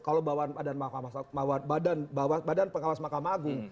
kalau badan pengawas mahkamah agung